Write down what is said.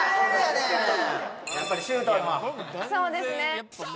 そうですね